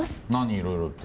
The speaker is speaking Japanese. いろいろって。